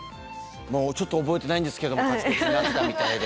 もうちょっと覚えてないんですけどもカチコチンになってたみたいで。